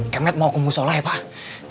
kayak matt mau kumpul musola ya pak